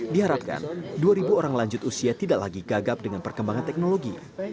diharapkan dua orang lanjut usia tidak lagi gagap dengan perkembangan teknologi